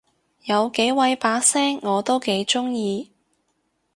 有幾位把聲我都幾中意